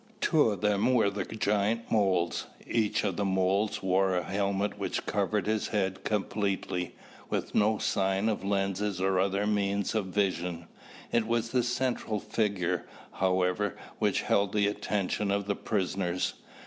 Two of them were the giant moles. Each of the moles wore a helmet which covered his head completely, with no sign of lenses or other means of vision. It was the central figure, however, which held the attention of the prisoners.